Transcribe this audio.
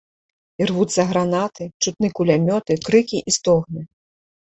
Ірвуцца гранаты, чутны кулямёты, крыкі і стогны.